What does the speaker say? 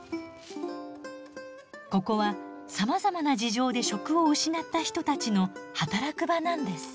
ここはさまざまな事情で職を失った人たちの働く場なんです。